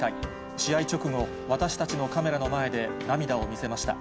試合直後、私たちのカメラの前で涙を見せました。